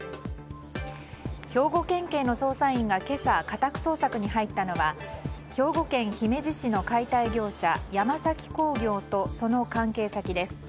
兵庫県警の捜査員が今朝、家宅捜索に入ったのは兵庫県姫路市の解体業者山崎興業とその関係先です。